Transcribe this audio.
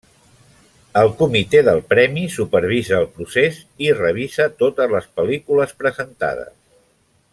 El Comitè del premi supervisa el procés i revisa totes les pel·lícules presentades.